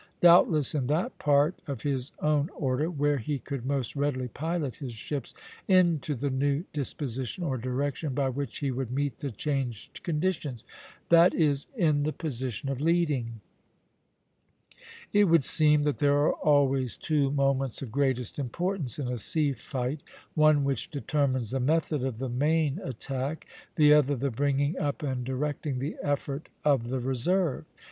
Doubtless in that part of his own order where he could most readily pilot his ships into the new disposition, or direction, by which he would meet the changed conditions; that is, in the position of leading. It would seem that there are always two moments of greatest importance in a sea fight; one which determines the method of the main attack, the other the bringing up and directing the effort of the reserve.